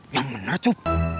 yang bener cuk